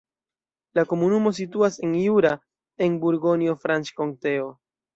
La komunumo situas en Jura, en Burgonjo-Franĉkonteo.